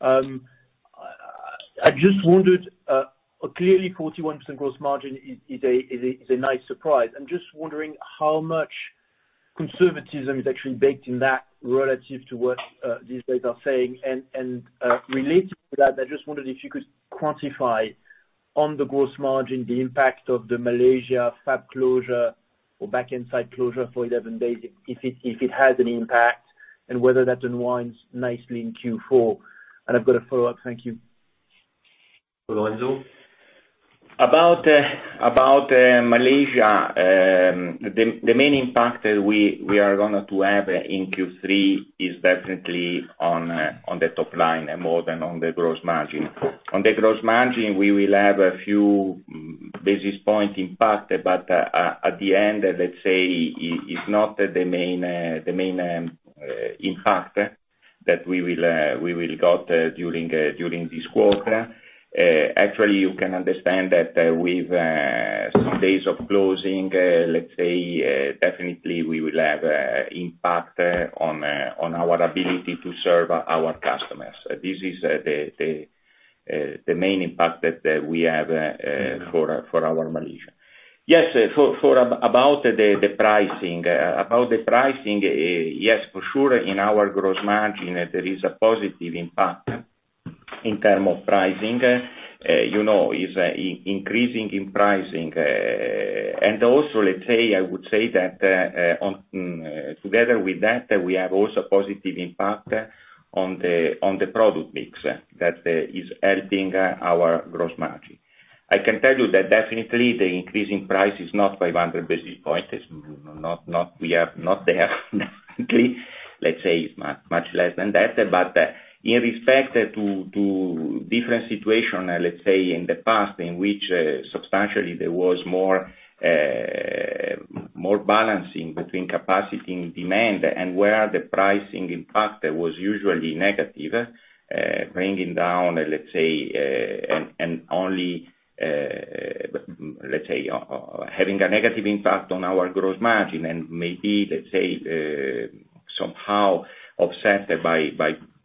I just wondered, clearly 41% gross margin is a nice surprise. I'm just wondering how much conservatism is actually baked in that relative to what these guys are saying. Related to that, I just wondered if you could quantify, on the gross margin, the impact of the Malaysia fab closure or back-end site closure for 11 days, if it had an impact and whether that unwinds nicely in Q4. I've got a follow-up. Thank you. Lorenzo? About Malaysia, the main impact that we are going to have in Q3 is definitely on the top line, more than on the gross margin. On the gross margin, we will have a few basis points impact, at the end, let's say, it's not the main impact that we will got during this quarter. Actually, you can understand that with some days of closing, let's say, definitely we will have impact on our ability to serve our customers. This is the main impact that we have for our Malaysia. Yes, about the pricing. Yes, for sure, in our gross margin, there is a positive impact in term of pricing. Increasing in pricing, also, let's say, I would say that together with that, we have also positive impact on the product mix that is helping our gross margin. I can tell you that definitely the increase in price is not 500 basis points. We are not there yet. Let's say it's much less than that. In respect to different situation, let's say, in the past, in which substantially there was more balancing between capacity and demand, and where the pricing impact was usually negative, bringing down, let's say, having a negative impact on our gross margin, and maybe, let's say, somehow offset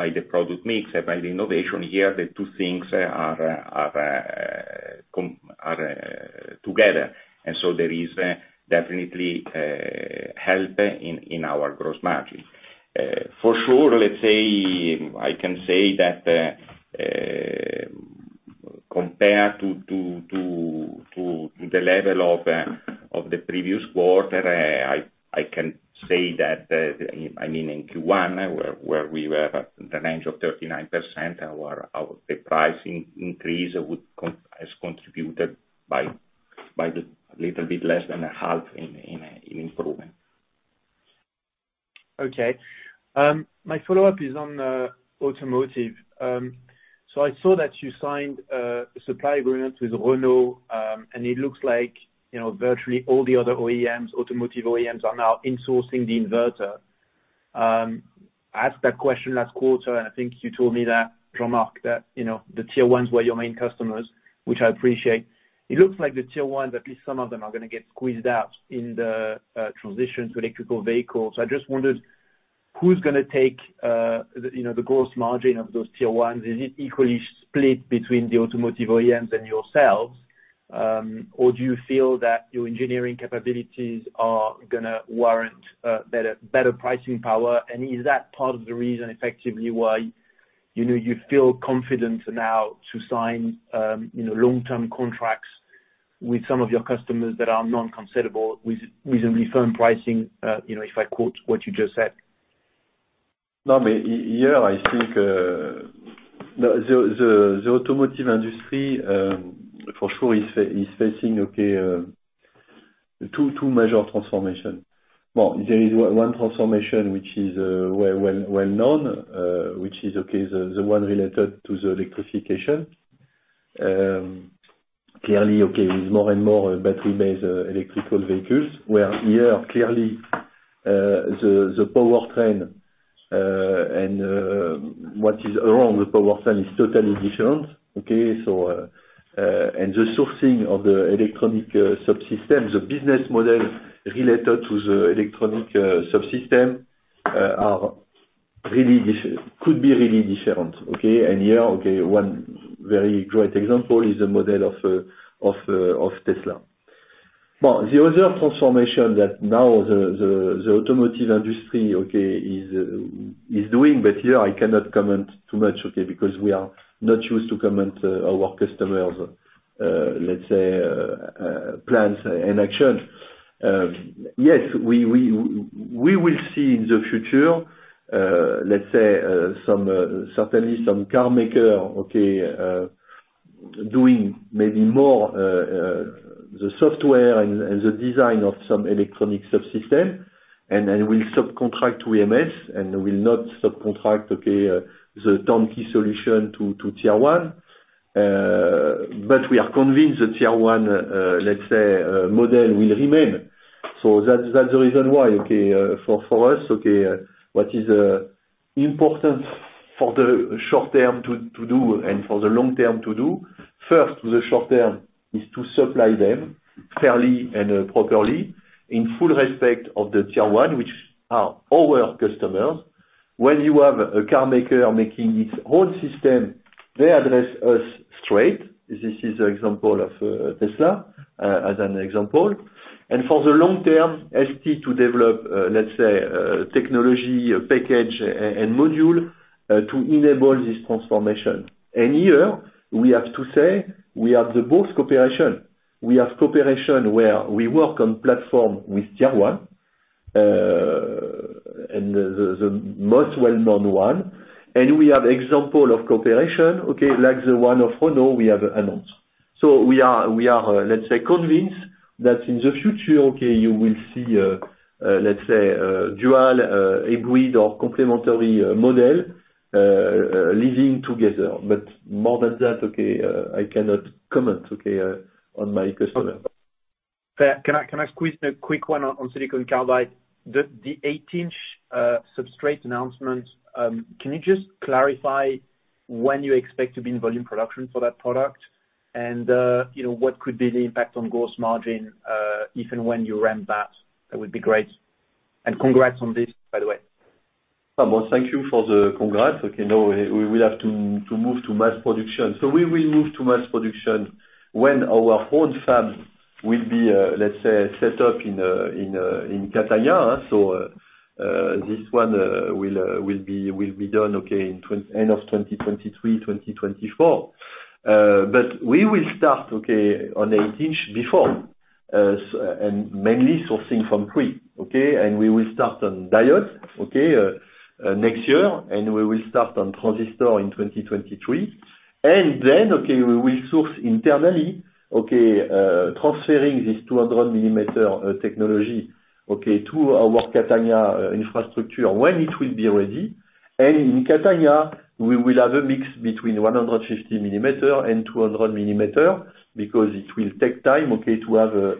by the product mix, by the innovation. Here, the two things are together. There is definitely help in our gross margin. For sure, let's say, I can say that, compared to the level of the previous quarter, I can say that, I mean, in Q1, where we were the range of 39%, the pricing increase has contributed by the little bit less than a half in improvement. Okay. My follow-up is on automotive. I saw that you signed a supply agreement with Renault, and it looks like virtually all the other automotive OEMs are now insourcing the inverter. I asked that question last quarter, and I think you told me that, Jean-Marc, that the tier ones were your main customers, which I appreciate. It looks like the tier ones, at least some of them, are going to get squeezed out in the transition to electrical vehicles. I just wondered, who's going to take the gross margin of those tier ones? Is it equally split between the automotive OEMs and yourselves? Do you feel that your engineering capabilities are going to warrant better pricing power? Is that part of the reason, effectively, why you feel confident now to sign long-term contracts with some of your customers that are non-cancelable with reasonably firm pricing? If I quote what you just said. Here, I think, the automotive industry, for sure is facing two major transformations. Well, there is one transformation which is well-known, which is the one related to the electrification. Clearly, with more and more battery-based electrical vehicles, where here, clearly, the powertrain and what is wrong with powertrain is totally different. The sourcing of the electronic subsystems, the business model related to the electronic subsystem could be really different. Here, one very great example is the model of Tesla. Well, the other transformation that now the automotive industry is doing, but here I cannot comment too much, because we are not used to comment our customers', let's say, plans and action. Yes. We will see in the future, let's say, certainly some car maker doing maybe more the software and the design of some electronic subsystem, then will subcontract to EMS and will not subcontract the turnkey solution to tier one. We are convinced that tier one, let's say, model will remain. That's the reason why. For us, what is important for the short-term to do and for the long-term to do, first, the short-term is to supply them fairly and properly in full respect of the tier one, which are our customers. When you have a car maker making its own system, they address us straight. This is an example of Tesla, as an example. For the long-term, ST to develop, let's say, technology package and module to enable this transformation. Here we have to say we have the both cooperation. We have cooperation where we work on platform with tier 1, and the most well-known one. We have example of cooperation, like the one of Renault we have announced. We are, let's say, convinced that in the future, you will see, let's say, dual agreed or complementary model living together. More than that, I cannot comment on my customer. Can I squeeze a quick one on silicon carbide? The 8-inch substrate announcement, can you just clarify when you expect to be in volume production for that product? What could be the impact on gross margin, if and when you ramp that? That would be great. Congrats on this, by the way. Well, thank you for the congrats. We will have to move to mass production. We will move to mass production when our own fab will be, let's say, set up in Catania. This one will be done end of 2023, 2024. We will start on 8-inch before, and mainly sourcing from 3. We will start on diode next year, and we will start on transistor in 2023. We will source internally, transferring this 200-millimeter technology to our Catania infrastructure when it will be ready. In Catania, we will have a mix between 150-millimeter and 200-millimeter, because it will take time to have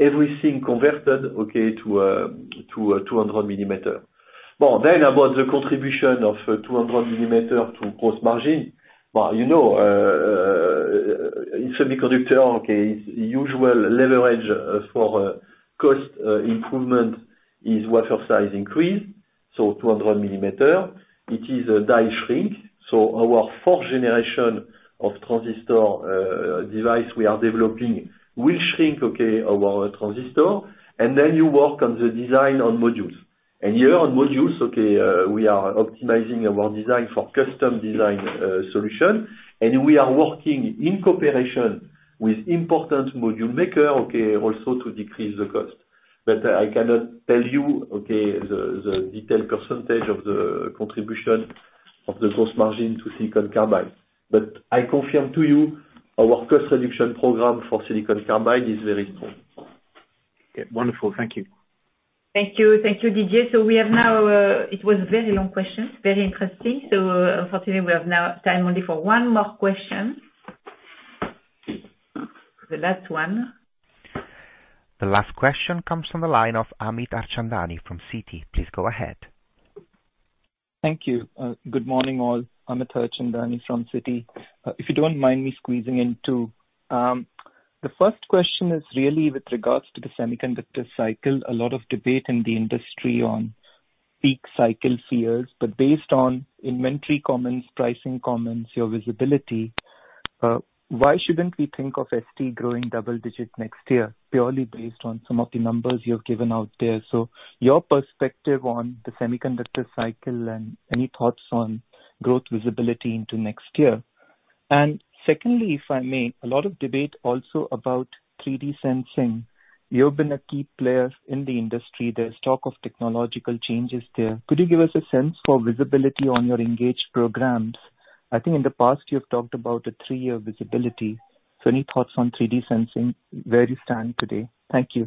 everything converted to 200-millimeter. Well, about the contribution of 200-millimeter to gross margin. Well, in semiconductor, usual leverage for cost improvement is wafer size increase, so 200-millimeter. It is a die shrink. Our fourth generation of transistor device we are developing will shrink our transistor. You work on the design on modules. Here on modules, we are optimizing our design for custom design solution. We are working in cooperation with important module maker also to decrease the cost. I cannot tell you the detailed % of the contribution of the gross margin to silicon carbide. I confirm to you our cost reduction program for silicon carbide is very strong. Okay. Wonderful. Thank you. Thank you, Didier. It was very long questions, very interesting. Unfortunately, we have now time only for one more question. The last one. The last question comes from the line of Amit Harchandani from Citi. Please go ahead. Thank you. Good morning, all. Amit Harchandani from Citi. If you don't mind me squeezing in, too. The first question is really with regards to the semiconductor cycle. A lot of debate in the industry on peak cycle fears. Based on inventory comments, pricing comments, your visibility, why shouldn't we think of ST growing double digits next year, purely based on some of the numbers you've given out there? Your perspective on the semiconductor cycle, and any thoughts on growth visibility into next year. Secondly, if I may, a lot of debate also about 3D sensing. You've been a key player in the industry. There's talk of technological changes there. Could you give us a sense for visibility on your engaged programs? I think in the past, you have talked about a three-year visibility. Any thoughts on 3D sensing, where you stand today? Thank you.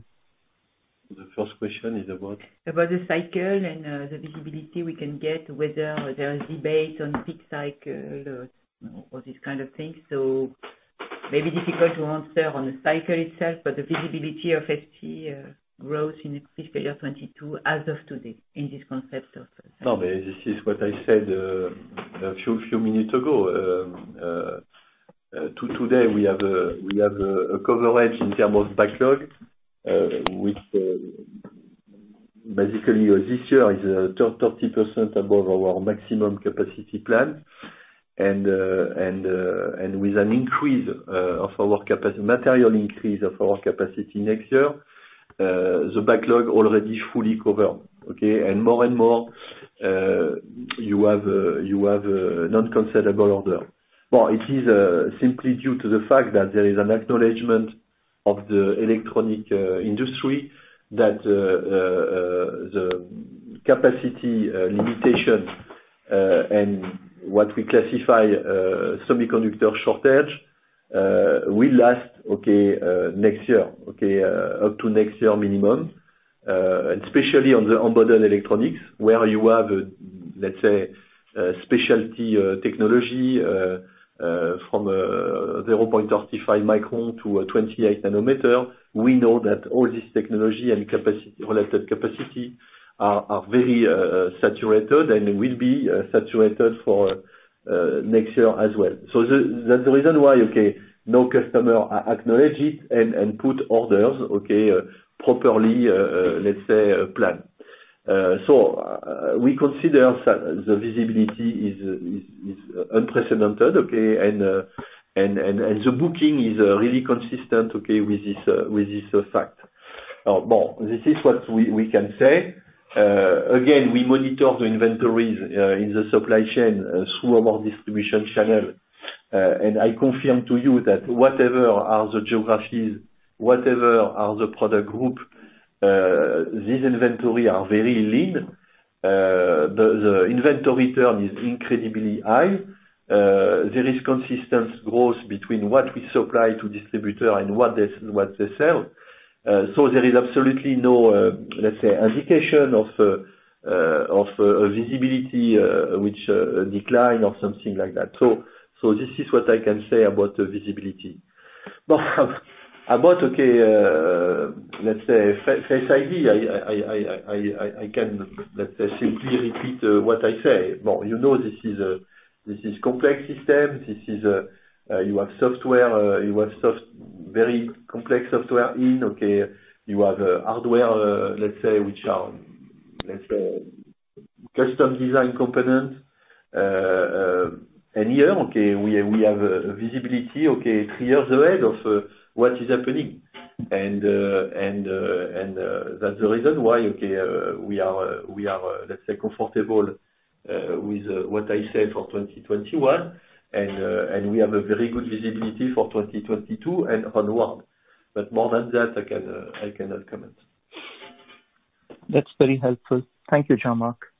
The first question is about? About the cycle and the visibility we can get, whether there is debate on peak cycle or this kind of thing. Maybe difficult to answer on the cycle itself, but the visibility of ST growth in fiscal year 2022 as of today. No, this is what I said a few minutes ago. Today, we have a coverage in terms of backlog, which basically this year is 30% above our maximum capacity plan. With a material increase of our capacity next year, the backlog already fully covered. Okay. More and more, you have non-cancelable order. It is simply due to the fact that there is an acknowledgment of the electronic industry that the capacity limitation and what we classify semiconductor shortage will last next year. Up to next year minimum. Especially on the embedded electronics, where you have, let's say, specialty technology from 0.35 micron to 28 nanometer. We know that all this technology and related capacity are very saturated and will be saturated for next year as well. That's the reason why no customer acknowledge it and put orders properly, let's say, plan. We consider the visibility is unprecedented. The booking is really consistent with this fact. This is what we can say. Again, we monitor the inventories in the supply chain through our distribution channel. I confirm to you that whatever are the geographies, whatever are the product group, this inventory are very lean. The inventory turn is incredibly high. There is consistent growth between what we supply to distributor and what they sell. There is absolutely no, let's say, indication of visibility which decline or something like that. This is what I can say about the visibility. About, let's say, Face ID, I can, let's say, simply repeat what I say. You know this is complex system. You have very complex software in. You have hardware, let's say, which are custom design components. Here, we have a visibility, three years ahead of what is happening. That's the reason why, we are, let's say, comfortable with what I said for 2021, and we have a very good visibility for 2022 and onward. More than that, I cannot comment. That's very helpful. Thank you, Jean-Marc.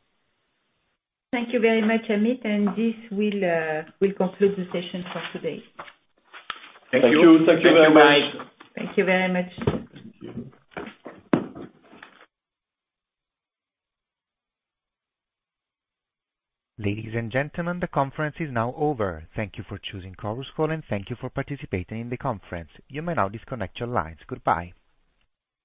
Thank you very much, Amit. This will conclude the session for today. Thank you. Thank you. Thank you very much. Thank you very much. Ladies and gentlemen, the conference is now over. Thank you for choosing Chorus Call, and thank you for participating in the conference. You may now disconnect your lines. Goodbye.